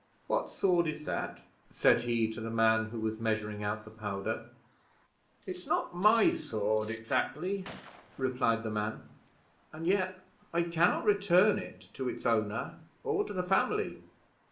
"What sword is that?" said he, to the man who was measuring out the powder. "It's not my sword, exactly," replied the man; "and yet I can not return it to its owner or to the family.